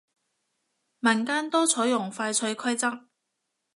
民間多採用快脆規則